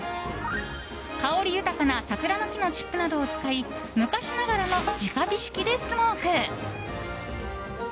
香り豊かな桜の木のチップなどを使い昔ながらの直火式でスモーク。